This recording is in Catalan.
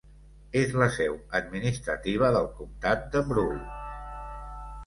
És la seu administrativa del comtat de Brule.